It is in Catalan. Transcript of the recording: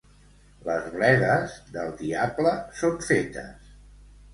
Les bledes, del diable són fetes.